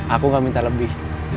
aku gak minta lebih